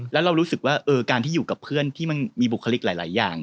แล้วเรารู้สึกว่าการที่อยู่กับเพื่อนที่มันมีบุคลิกหลายอย่าง